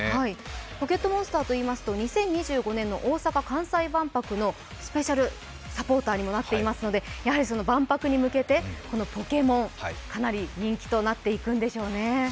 「ポケットモンスター」といいますと２０２５年の大阪・関西万博のスペシャルサポーターにもなっていますので万博に向けてポケモン、かなり人気となっていくんでしょうね。